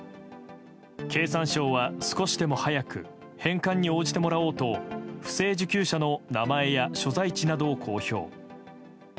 経産省は少しでも早く返還に応じてもらおうと不正受給者の名前や所在地などを公表。